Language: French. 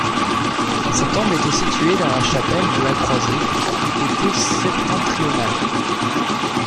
Sa tombe était située dans la chapelle de la croisée, du côté septentrional.